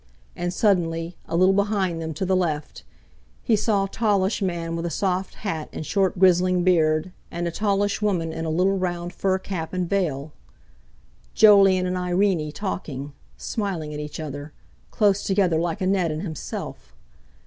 And, suddenly, a little behind them to the left, he saw a tallish man with a soft hat and short grizzling beard, and a tallish woman in a little round fur cap and veil. Jolyon and Irene talking, smiling at each other, close together like Annette and himself!